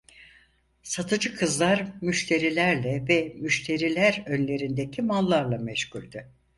Satıcı kızlar müşterilerle ve müşteriler önlerindeki mallarla meşguldü.